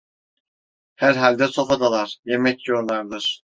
Herhalde sofadalar, yemek yiyorlardır!